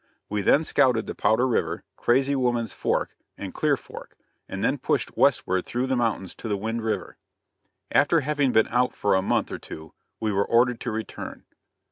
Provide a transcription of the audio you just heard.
We then scouted the Powder river, Crazy Woman's Fork, and Clear Fork, and then pushed westward through the mountains to the Wind river. After having been out for a month or two we were ordered to return.